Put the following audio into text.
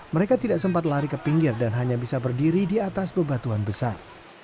mereka tidak sempat lari ke pinggir dan hanya bisa berdiri di atas bebatuan besar